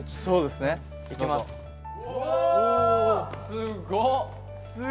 すごっ！